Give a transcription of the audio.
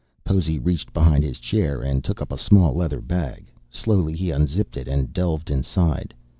Possy reached behind his chair and took up a small leather bag. Slowly he unzipped it and delved inside.